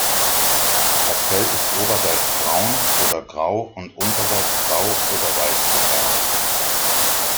Das Fell ist oberseits braun oder grau und unterseits grau oder weiß gefärbt.